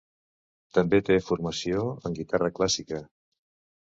També té formació en guitarra clàssica.